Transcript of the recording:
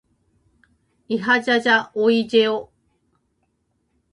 いはじゃじゃおいじぇお。